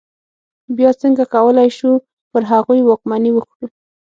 بیا څنګه کولای شو پر هغوی واکمني وکړو.